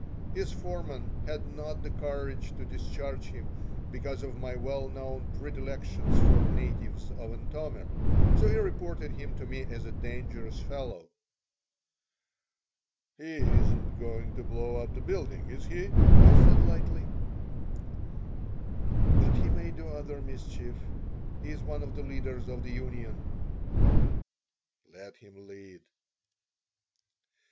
His foreman had not the courage to discharge him, because of my well known predilection for natives of Antomir, so he reported him to me as a dangerous fellow "He isn't going to blow up the building, is he?" I said, lightly "But he may do other mischief. He's one of the leaders of the union." "Let him lead."